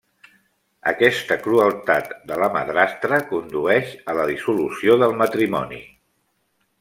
Aquesta crueltat de la madrastra condueix a la dissolució del matrimoni.